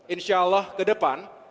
insya allah ke depan